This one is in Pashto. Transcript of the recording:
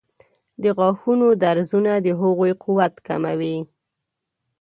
د غاښونو درزونه د هغوی قوت کموي.